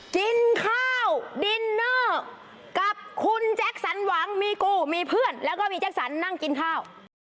กินข้าวดินเนอร์กับคุณแจ็คสันหวังมีกูมีเพื่อนแล้วก็มีแจ็คสันนั่งกินข้าว